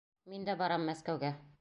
Мин дә барам Мәскәүгә!